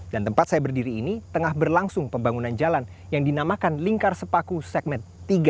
dan tempat saya berdiri ini tengah berlangsung pembangunan jalan yang dinamakan lingkar sepaku segmen tiga